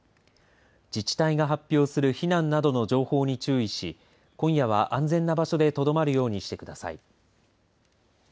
自治体が発表する避難などの情報に注意し今夜は安全な場所でとどまるようにしてください。